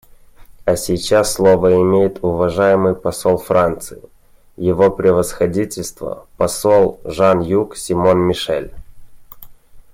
А сейчас слово имеет уважаемый посол Франции — Его Превосходительство посол Жан-Юг Симон-Мишель.